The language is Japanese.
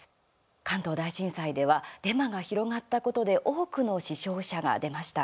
関東大震災ではデマが広がったことで多くの死傷者が出ました。